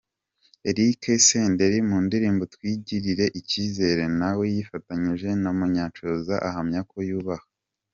Eric Senderi mu ndirimbo "Twigirire icyizere" naweyifatanyije na Munyanshoza ahamya ko yubaha.